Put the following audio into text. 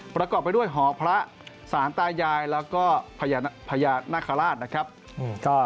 ประกอบไปด้วยหอพระสาหันตายายและพญานาคาราช